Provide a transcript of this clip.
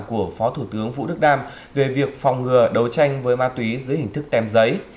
của phó thủ tướng vũ đức đam về việc phòng ngừa đấu tranh với ma túy dưới hình thức tem giấy